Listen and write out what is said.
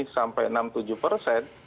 sampai enam tujuh persen